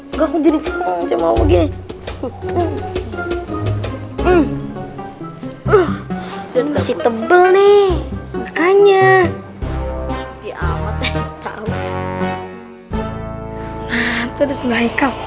hai gampang jadi cuman mau gini uh uh dan masih tebel nih makanya dia